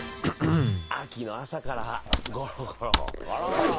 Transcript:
秋の朝からゴロゴロゴロゴロ。